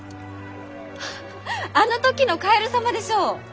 フフフあの時のカエル様でしょう？